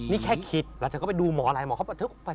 นี่แค่คิดแล้วจะไปดูหมออะไรหมอเขาบอกว่า